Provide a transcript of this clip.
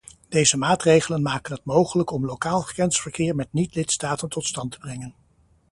Deze maatregelen maken het mogelijk om lokaal grensverkeer met niet-lidstaten tot stand te brengen.